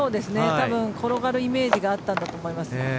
多分転がるイメージがあったんだと思います。